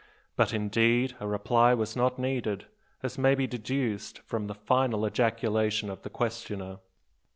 But, indeed, a reply was not needed, as may be deduced from the final ejaculation of the questioner.